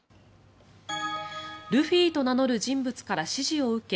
ルフィと名乗る人物から指示を受け